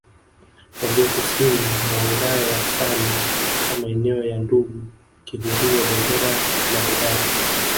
walio kusini mwa wilaya ya Same katika maeneo ya Ndungu Kihurio Bendera na Hedaru